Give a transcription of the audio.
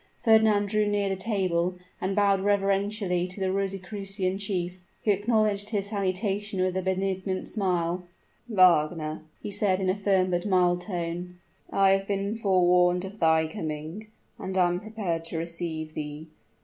Fernand drew near the table, and bowed reverentially to the Rosicrucian chief, who acknowledged his salutation with a benignant smile. "Wagner," he said, in a firm but mild tone, "I have been forewarned of thy coming, and am prepared to receive thee.